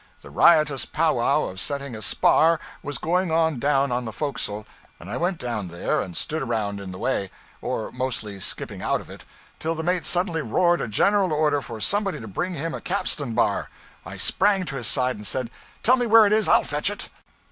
The riotous powwow of setting a spar was going on down on the forecastle, and I went down there and stood around in the way or mostly skipping out of it till the mate suddenly roared a general order for somebody to bring him a capstan bar. I sprang to his side and said: 'Tell me where it is I'll fetch it!'